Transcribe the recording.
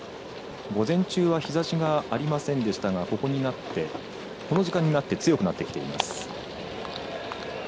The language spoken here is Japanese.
午前中は日差しがありませんでしたがこの時間になって強くなってきています。